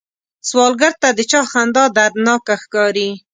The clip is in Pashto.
سوالګر ته د چا خندا دردناکه ښکاري